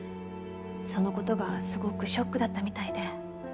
その事がすごくショックだったみたいで。